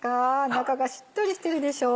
中がしっとりしてるでしょう。